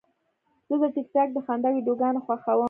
زه د ټک ټاک د خندا ویډیوګانې خوښوم.